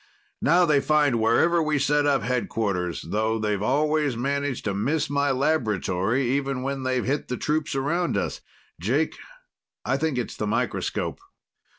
Now they find wherever we set up headquarters, though they've always managed to miss my laboratory, even when they've hit the troops around us. Jake, I think it's the microscope."